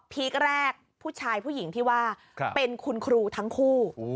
คแรกผู้ชายผู้หญิงที่ว่าเป็นคุณครูทั้งคู่